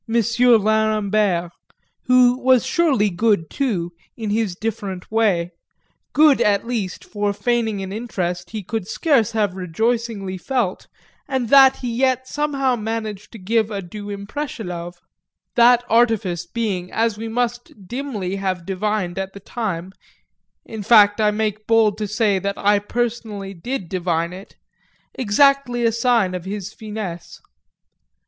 Lerambert who was surely good too, in his different way; good at least for feigning an interest he could scarce have rejoicingly felt and that he yet somehow managed to give a due impression of: that artifice being, as we must dimly have divined at the time (in fact I make bold to say that I personally did divine it,) exactly a sign of his finesse.